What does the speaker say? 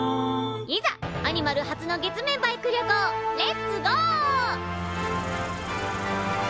いざアニマル初の月面バイク旅行レッツゴー！